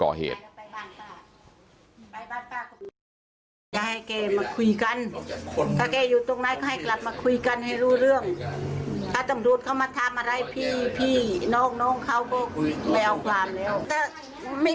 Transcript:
ถ้าตำรวจเขามาทำอะไรพี่พี่น้องเขาก็ไปเอาความแล้ว